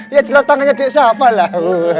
ya jelas tangannya dik syafa lah